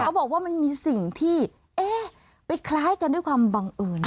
เขาบอกว่ามันมีสิ่งที่เอ๊ะไปคล้ายกันด้วยความบังเอิญ